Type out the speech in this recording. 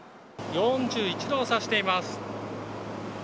４１度を指しています。